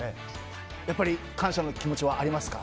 やっぱり感謝の気持ちはありますか？